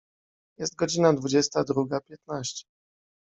Jest godzina dwudziesta druga piętnaście.